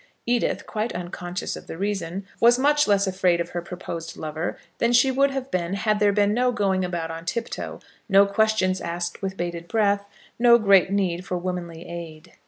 Edith, quite unconscious of the reason, was much less afraid of her proposed lover than she would have been had there been no going about on tiptoe, no questions asked with bated breath, no great need for womanly aid.